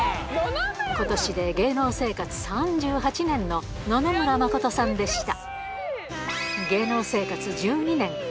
今年で芸能生活３８年の野々村真さんでした